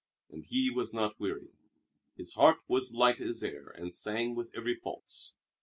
And he was not weary. His heart was light as air and sang with every pulse.